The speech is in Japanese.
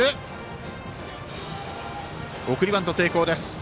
送りバント成功です。